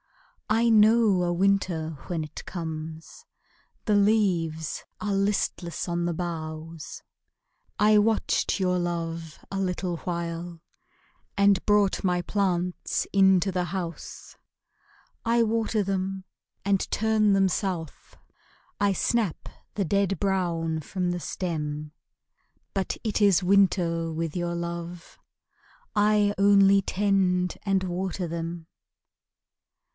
I know a winter when it comes: The leaves are listless on the boughs; I watched your love a little while, And brought my plants into the house. I water them and turn them south, I snap the dead brown from the stem; But it is winter with your love, I only tend and water them.